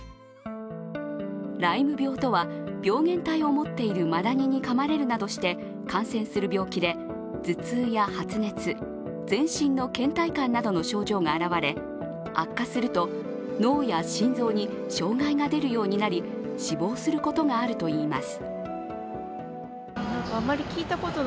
ライム病とは、病原体を持っているマダニにかまれるなどして感染する病気で頭痛や発熱、全身のけん怠感などの症状が現れ、悪化すると脳や心臓に障害が出るようになり死亡することがあるといいます。